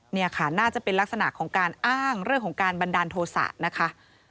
นี่ค่ะน่าจะเป็นลักษณะของการอ้างเรื่องของการบันดาลโทษะนะคะ